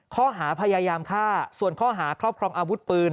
ข้อหาพยายามฆ่าส่วนข้อหาครอบครองอาวุธปืน